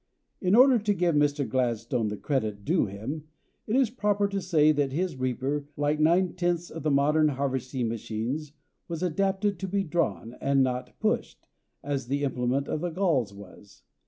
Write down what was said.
] In order to give Mr. Gladstone the credit due him, it is proper to say that his reaper, like nine tenths of the modern harvesting machines, was adapted to be drawn, and not pushed, as the implement of the Gauls was.